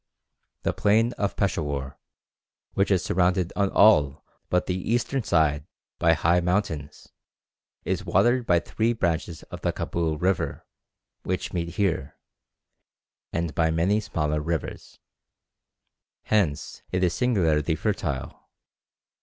The plain of Peshawur, which is surrounded on all but the eastern side by high mountains, is watered by three branches of the Cabul river, which meet here, and by many smaller rivers. Hence it is singularly fertile.